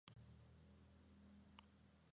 Se suele servir tras la elaboración.